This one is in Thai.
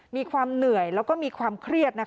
มีความเหนื่อยแล้วก็มีความเครียด